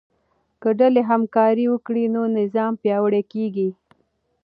که ډلې همکاري وکړي نو نظام پیاوړی کیږي.